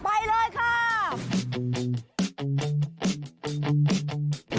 ไปเลยค่ะ